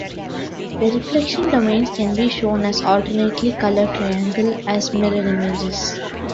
The reflection domains can be shown as alternately colored triangles as mirror images.